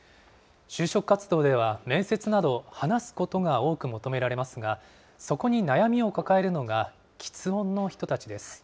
就職活動では、面接など、話すことが多く求められますが、そこに悩みを抱えるのがきつ音の人たちです。